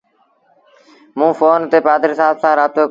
موݩ ڦون تي پآڌريٚ سآب سآݩ رآبتو ڪيو۔